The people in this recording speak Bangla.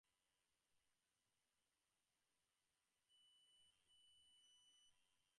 আমি সেই আদর্শ অনুসরণ করিতে ব্যস্ত হইয়া পড়ি।